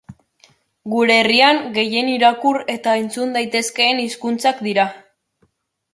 Gure herrian gehien irakur eta entzun daitezkeen hizkuntzak dira.